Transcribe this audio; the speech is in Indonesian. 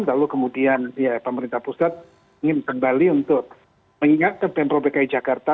lalu kemudian pemerintah pusat ingin kembali untuk mengingatkan pemprov dki jakarta